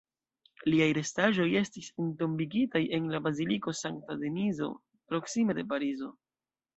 Liaj restaĵoj estis entombigitaj en la baziliko Sankta Denizo, proksime de Parizo.